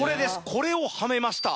これをはめました。